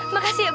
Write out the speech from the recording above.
makasih ya bu